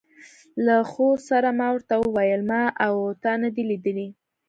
له خو سره ما ور ته وویل: ما او تا نه دي لیدلي.